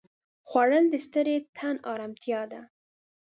خوړل د ستړي تن ارامتیا ده